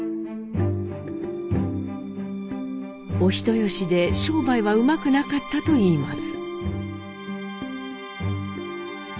お人よしで商売はうまくなかったといいます。